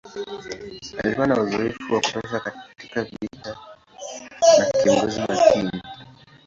Alikuwa na uzoefu wa kutosha katika vita na kiongozi makini.